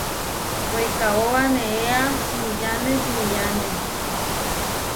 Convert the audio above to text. Weikaóba neéa simiyáne simiyáne.